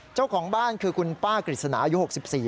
เจ้าของบ้านคือคุณป้ากฤษณาอายุ๖๔ปี